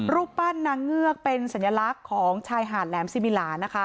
รูปปั้นนางเงือกเป็นสัญลักษณ์ของชายหาดแหลมซิมิลานะคะ